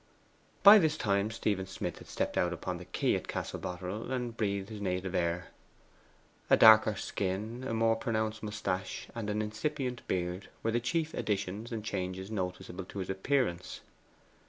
By this time Stephen Smith had stepped out upon the quay at Castle Boterel, and breathed his native air. A darker skin, a more pronounced moustache, and an incipient beard, were the chief additions and changes noticeable in his appearance.